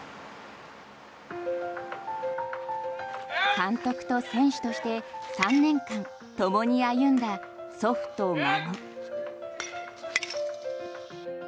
監督と選手として３年間ともに歩んだ祖父と孫。